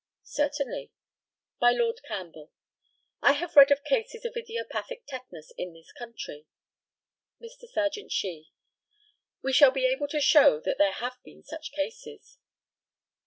Certainly. By Lord CAMPBELL: I have read of cases of idiopathic tetanus in this country. Mr. Serjeant SHEE: We shall be able to show that there have been such cases.